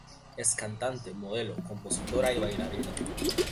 Es cantante, modelo, compositora y bailarina.